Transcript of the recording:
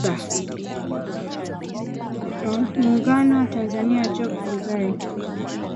ya muungano wa tanzania job ndugai